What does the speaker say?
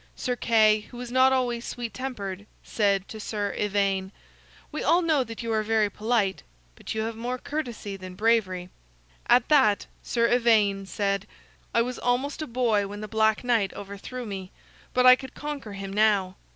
Sir Kay, who was not always sweet tempered, said to Sir Ivaine: "We all know that you are very polite, but you have more courtesy than bravery." At that Sir Ivaine said: "I was almost a boy when the Black Knight overthrew me, but I could conquer him now."